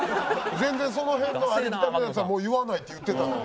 全然その辺のありきたりなやつはもう言わないって言ってたのに。